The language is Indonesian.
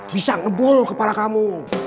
bisa ngebul kepala kamu